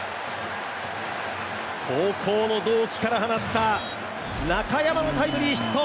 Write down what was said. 高校の同期から放った中山のタイムリーヒット。